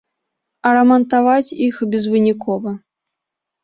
А рамантаваць іх безвынікова.